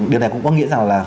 điều này cũng có nghĩa là